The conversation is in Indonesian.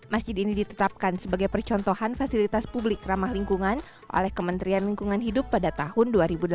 masjid ini ditetapkan sebagai percontohan fasilitas publik ramah lingkungan oleh kementerian lingkungan hidup pada tahun dua ribu delapan belas